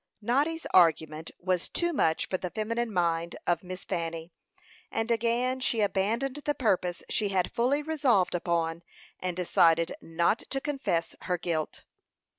Noddy's argument was too much for the feminine mind of Miss Fanny, and again she abandoned the purpose she had fully resolved upon, and decided not to confess her guilt.